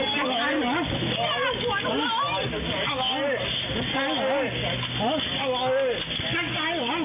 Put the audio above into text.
กิดร้านแล้วครับไปไหนครับยุ้งหรอฮะยุ้งหรอ